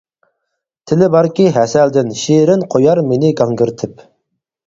تىلى باركى ھەسەلدىن شېرىن قويار مېنى گاڭگىرىتىپ.